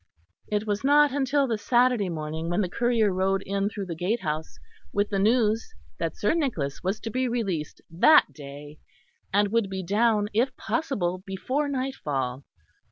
It was not until the Saturday morning that the courier rode in through the gatehouse with the news that Sir Nicholas was to be released that day, and would be down if possible before nightfall.